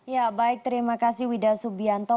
ya baik terima kasih wida subianto